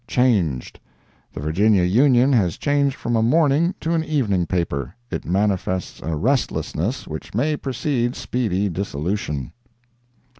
CHANGED.—The Virginia Union has changed from a morning to an evening paper. It manifests a restlessness which may precede speedy dissolution.